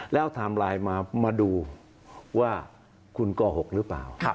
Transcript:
แล้วไทม์ไลน์มาดูว่าคุณโกหกหรือเปล่า